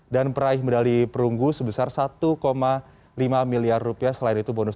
dan peraih medali perunggu sebesar satu lima miliar rupiah